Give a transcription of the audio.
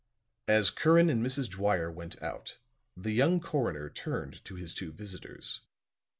As Curran and Mrs. Dwyer went out the young coroner turned to his two visitors.